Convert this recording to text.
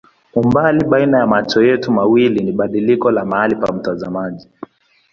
Umbali baina ya macho yetu mawili ni badiliko la mahali pa mtazamaji.